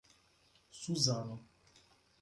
Suzano